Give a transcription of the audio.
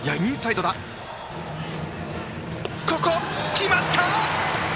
決まった！